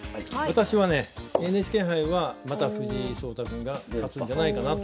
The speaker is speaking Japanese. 私はねＮＨＫ杯はまた藤井聡太君が勝つんじゃないかなと。